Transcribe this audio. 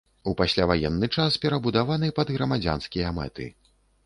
У пасляваенны час перабудаваны пад грамадзянскія мэты.